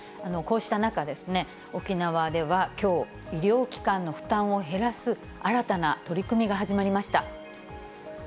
こうした中、沖縄ではきょう、医療機関の負担を減らす新たな取り組みが始まりました。